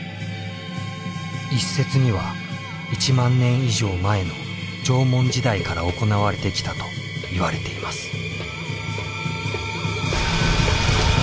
一説には１万年以上前の縄文時代から行われてきたといわれています。